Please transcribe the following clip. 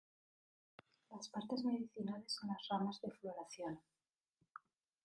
Las partes medicinales son las ramas de floración.